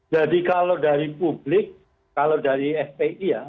jadi kalau dari publik kalau dari fpi ya